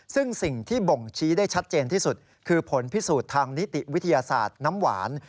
ซึ่งสิ่งที่บ่งชี้ได้ชัดเจนที่สุดคือผลพิสูจน์ทางนิติวิทยาศาสตร์น้ำหวาน